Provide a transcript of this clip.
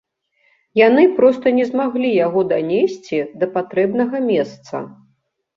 Яны проста не змаглі яго данесці да патрэбнага месца.